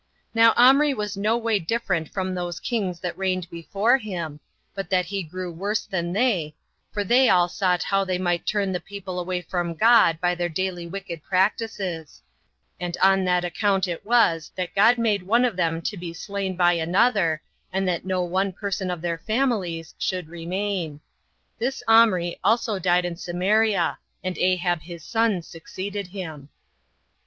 Now Omri was no way different from those kings that reigned before him, but that he grew worse than they, for they all sought how they might turn the people away from God by their daily wicked practices; and on that account it was that God made one of them to be slain by another, and that no one person of their families should remain. This Omri also died in Samaria and Ahab his son succeeded him.